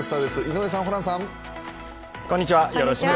井上さん、ホランさん。